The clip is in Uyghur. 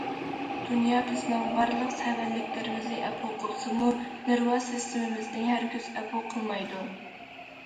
دۇنيا بىزنىڭ بارلىق سەۋەنلىكلىرىمىزنى ئەپۇ قىلسىمۇ، نېرۋا سىستېمىمىزنى ھەرگىز ئەپۇ قىلمايدۇ.